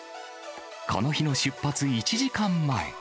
この日の出発１時間前。